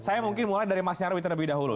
saya mungkin mulai dari mas nyarwi terlebih dahulu